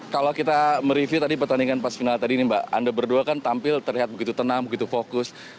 kalau kita merevie tadi pertandingan pas final tadi nih mbak anda berdua kan tampil terlihat begitu tenang begitu fokus